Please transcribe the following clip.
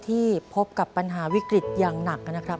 ที่พบกับปัญหาวิกฤตอย่างหนักนะครับ